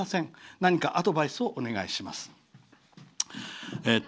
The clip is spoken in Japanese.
何かアドバイスをお願いします。」